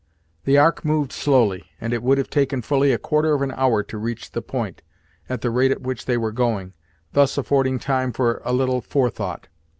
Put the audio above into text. The ark moved slowly, and it would have taken fully a quarter of an hour to reach the point, at the rate at which they were going, thus affording time for a little forethought.